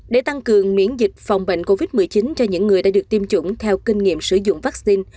để tăng cường miễn dịch phòng bệnh covid một mươi chín cho những người đã được tiêm chủng theo kinh nghiệm sử dụng vaccine